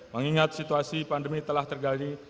mengingat situasi pandemi telah tergali